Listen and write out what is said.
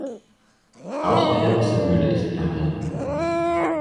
Auch eine Wassermühle ist erhalten.